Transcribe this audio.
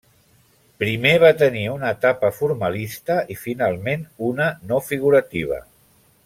Primer va tenir una etapa formalista i finalment una no figurativa.